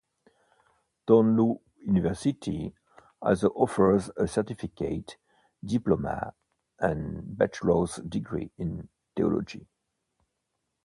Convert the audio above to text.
Thorneloe University also offers a certificate, diploma, and Bachelor's Degree in Theology.